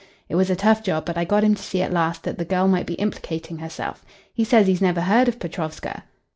It was a tough job, but I got him to see at last that the girl might be implicating herself. He says he's never heard of Petrovska."